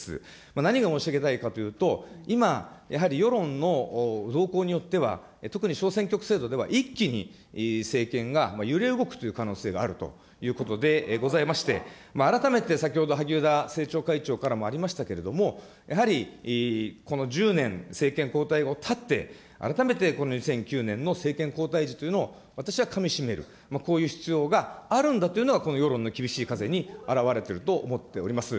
何が申し上げたいかというと、今、やはり世論の動向によっては、特に小選挙区制度では一気に政権が揺れ動くという可能性があるということでございまして、改めて先ほど萩生田政調会長からもありましたけれども、やはり、この１０年、政権交代後たって、改めてこの２００９年の政権交代時というのを私はかみしめる、こういう必要があるんだというのが、この世論の厳しい風に現れていると思っております。